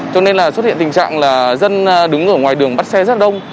cho nên là xuất hiện tình trạng là dân đứng ở ngoài đường bắt xe rất đông